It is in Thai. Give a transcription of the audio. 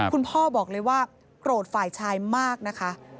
คุณพ่อบอกเลยว่าโกรธฝ่ายชายมากนะคะ